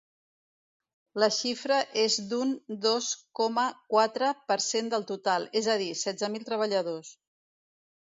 La xifra és d’un dos coma quatre per cent del total, és a dir, setze mil treballadors.